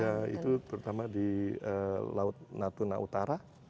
ya itu terutama di laut natuna utara